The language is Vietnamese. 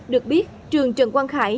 được biết trường trần quang khải